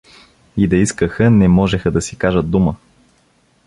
И да искаха, не можеха да си кажат дума.